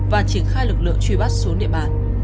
và triển khai lực lượng truy bắt xuống địa bàn